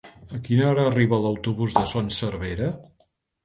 A quina hora arriba l'autobús de Son Servera?